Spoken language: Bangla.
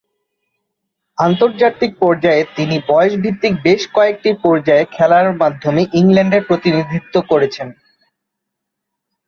আন্তর্জাতিক পর্যায়ে, তিনি বয়সভিত্তিক বেশ কয়েকটি পর্যায়ে খেলার মাধ্যমে ইংল্যান্ডের প্রতিনিধিত্ব করেছেন।